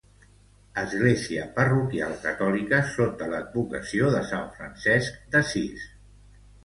Església parroquial catòlica sota l'advocació de Sant Francesc d'Assís.